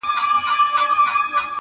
څه راوړه، څه به يوسې.